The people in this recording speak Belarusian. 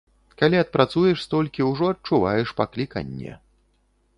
Калі адпрацуеш столькі, ужо адчуваеш пакліканне.